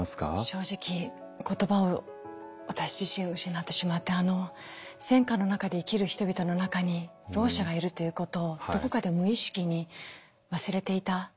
正直言葉を私自身失ってしまって戦禍の中で生きる人々の中にろう者がいるということをどこかで無意識に忘れていた。